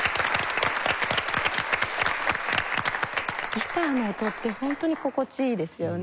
ギターの音ってホントに心地いいですよね。